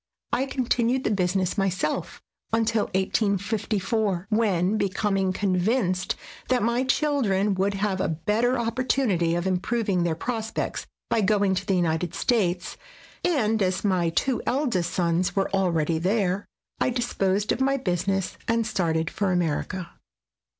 I continued the business myself until 1854, when, becoming convinced that my children would have a better opportunity of improving their prospects by going to SKETCHES OF TEAYEL the United States, and as my two eldest sons were already there, I disposed of my business and started for America.